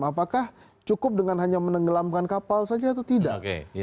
apakah cukup dengan hanya menenggelamkan kapal saja atau tidak